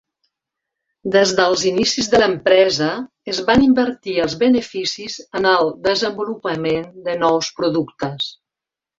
Des dels inicis de l'empresa, es van invertir els beneficis en el desenvolupament de nous productes.